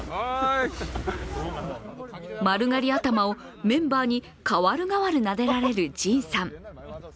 丸刈り頭をメンバーに代わるがわるなでられるＪＩＮさん。